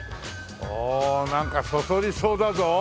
おおなんかそそりそうだぞ。